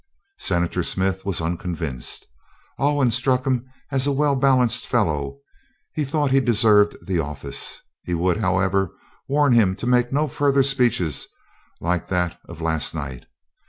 Senator Smith was unconvinced. Alwyn struck him as a well balanced fellow, and he thought he deserved the office. He would, however, warn him to make no further speeches like that of last night.